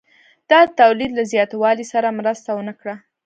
دا د تولید له زیاتوالي سره مرسته ونه کړه